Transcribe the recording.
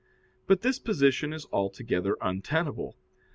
But this position is altogether untenable.